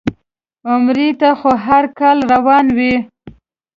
عمرې ته خو هر کال روان وي.